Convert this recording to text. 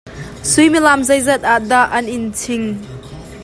Suimilam zeizat ah dah an in ching?